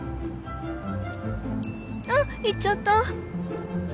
あっ行っちゃった！